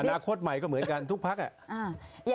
นาคตใหม่ก็เหมือนกันทุกพักอ่ะ